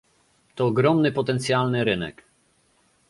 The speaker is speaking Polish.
To ogromny potencjalny rynek